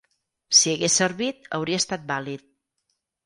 Si hagués servit, hauria estat vàlid.